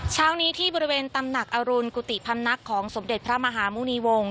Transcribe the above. เช้านี้ที่บริเวณตำหนักอรุณกุฏิพำนักของสมเด็จพระมหามุณีวงศ